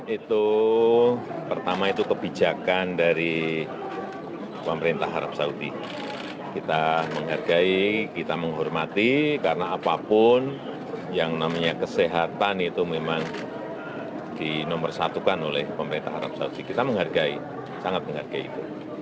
itu pertama itu kebijakan dari pemerintah arab saudi kita menghargai kita menghormati karena apapun yang namanya kesehatan itu memang dinomorsatukan oleh pemerintah arab saudi kita menghargai sangat menghargai itu